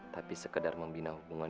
tapi sekedar membina hubungan